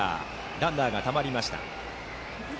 ランナーがたまりました。